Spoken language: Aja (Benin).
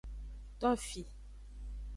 Tofi.